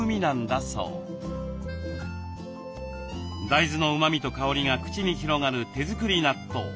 大豆のうまみと香りが口に広がる手作り納豆。